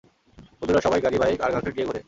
বন্ধুরা সবাই গাড়ি, বাইক, আর গার্লফ্রেন্ড নিয়ে ঘুরে।